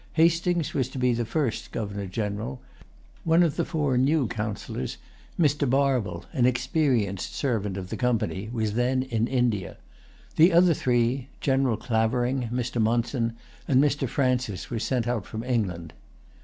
Hastings was to be the first Governor General. One of the four new Councillors, Mr. Barwell, an experienced servant of the Company, was then in India. The other three, General Clavering, Mr. Monson, and Mr. Francis, were sent out from England.